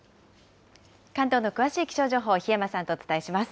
関東の詳しい気象情報、檜山さんとお伝えします。